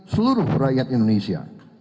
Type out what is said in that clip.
seluruh rakyat indonesia